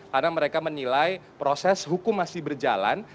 karena mereka menilai proses hukum masih berjalan